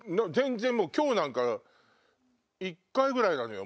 今日なんか１回ぐらいなのよ